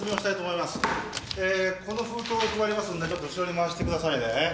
この封筒を配りますんでちょっと後ろに回してくださいね。